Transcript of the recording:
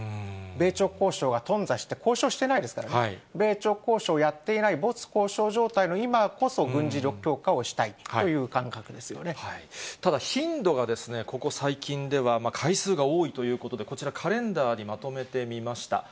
米朝交渉が頓挫して、交渉してないですからね、米朝交渉をやっていない没交渉状態の今こそ、軍事力強化をしたいただ、頻度がここ最近では回数が多いということで、こちら、カレンダーにまとめてみました。